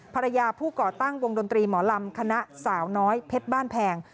ผู้ก่อตั้งวงดนตรีหมอลำคณะสาวน้อยเพชรบ้านแพง